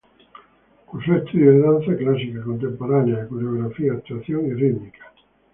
Cursó estudios de Danza clásica, Contemporánea, Coreografía, Actuación y Rítmica.